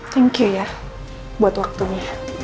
thank you ya buat waktunya